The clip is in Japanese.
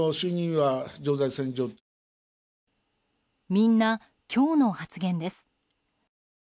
みんな、今日の発言です。